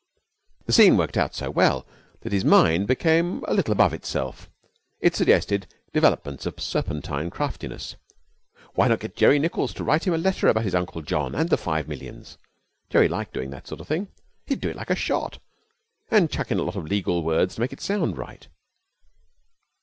The scene worked out so well that his mind became a little above itself. It suggested developments of serpentine craftiness. Why not get Jerry Nichols to write him a letter about his Uncle John and the five millions? Jerry liked doing that sort of thing. He would do it like a shot, and chuck in a lot of legal words to make it sound right.